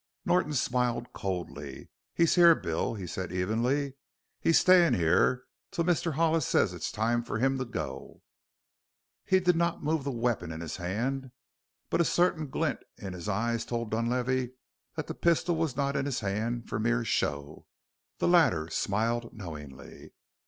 Norton smiled coldly. "He's here, Bill," he said evenly. "He's stayin' here till Mr. Hollis says it's time for him to go." He did not move the weapon in his hand, but a certain glint in his eyes told Dunlavey that the pistol was not in his hand for mere show. The latter smiled knowingly.